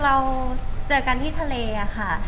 เราเจอกันที่ทะเลค่ะ